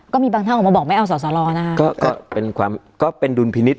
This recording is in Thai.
ก็มีบางท่านออกมาบอกไม่เอาสอสรนะคะก็ก็เป็นความก็เป็นดุลพินิษฐ